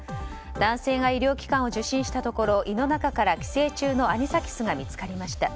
男性が医療機関を受診したところ胃の中から寄生虫のアニサキスが見つかりました。